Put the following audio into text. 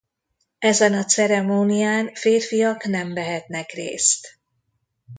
Ezen a ceremónián férfiak nem vehetnek részt.